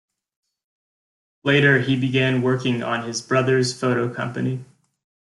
Later he began working on his brother's photo company.